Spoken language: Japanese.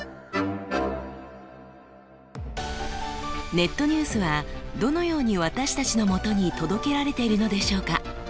ネットニュースはどのように私たちのもとに届けられているのでしょうか。